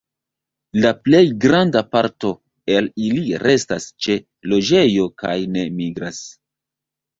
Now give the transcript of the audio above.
La plej granda parto el ili restas ĉe loĝejo kaj ne migras.